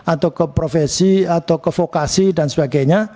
atau ke profesi atau ke vokasi dan sebagainya